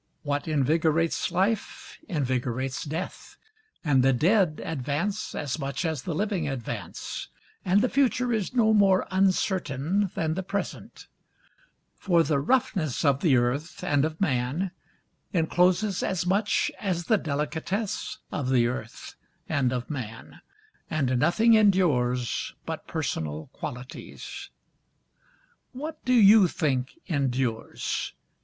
What invigorates life invigorates death, And the dead advance as much as the living advance, And the future is no more uncertain than the present, For the roughness of the earth and of man encloses as much as the delicatesse of the earth and of man, And nothing endures but personal qualities. What do you think endures?